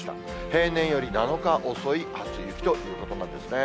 平年より７日遅い初雪ということなんですね。